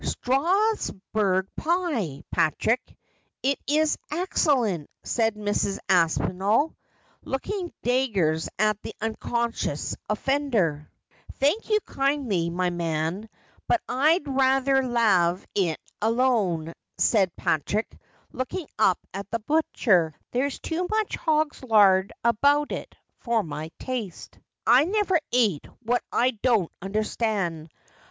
'Strasburg pie, Patrick. It is excellent,' said Mrs. Aspinall, looking daggers at the unconscious offender. ' Thank ye kindly, my man, but I'd rather lave it alone,' said Patrick, looking up at the butler. ' There's too much hog's lard about it for my taste. I never ate what I don't understand.